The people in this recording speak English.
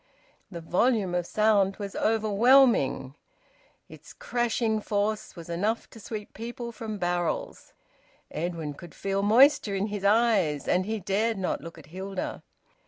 The volume of sound was overwhelming. Its crashing force was enough to sweep people from barrels. Edwin could feel moisture in his eyes, and he dared not look at Hilda.